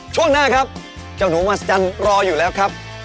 ช่วงหน้าครับเจ้าหนูมหัศจรรย์รออยู่แล้วครับ